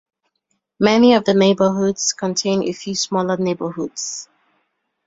Many of the neighborhoods contain a few smaller neighborhoods.